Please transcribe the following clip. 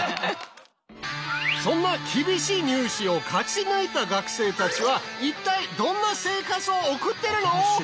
そんな厳しい入試を勝ち抜いた学生たちは一体どんな生活を送ってるの？